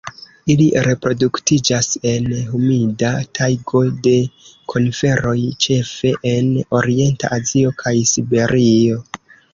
Ili reproduktiĝas en humida tajgo de koniferoj, ĉefe en orienta Azio kaj Siberio.